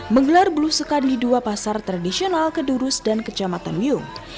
menggelar belusukan di dua pasar tradisional kedurus dan kecamatan wiyung